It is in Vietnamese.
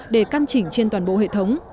để căn chỉnh trên toàn bộ hệ thống